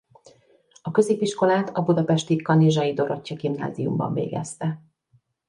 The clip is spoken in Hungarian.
A középiskolát a budapesti Kanizsai Dorottya Gimnáziumban végezte.